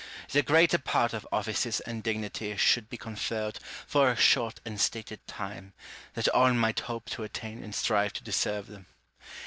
The greater part of offices and dignities should be conferred for a short and stated time, that all might hope to attain and strive to deserve them.